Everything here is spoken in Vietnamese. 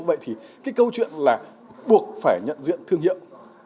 vậy thì cái câu chuyện là buộc phải nhận diện thương hiệu